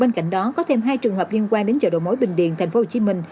bên cạnh đó có thêm hai trường hợp liên quan đến chợ đồ mối bình điền tp hcm